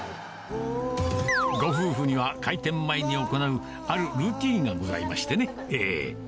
ご夫婦には開店前に行うあるルーティーンがございましてね、ええ。